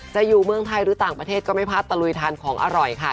จะอยู่เมืองไทยหรือต่างประเทศก็ไม่พลาดตะลุยทานของอร่อยค่ะ